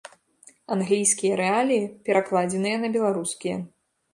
Англійскія рэаліі перакладзеныя на беларускія.